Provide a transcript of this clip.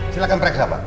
silahkan periksa pak